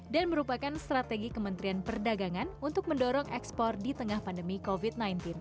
dan merupakan strategi kementerian perdagangan untuk mendorong ekspor di tengah pandemi covid sembilan belas